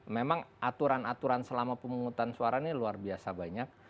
memang aturan aturan selama pemungutan suara ini luar biasa banyak